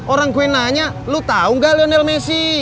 orang gue nanya lu tau gak lionel messi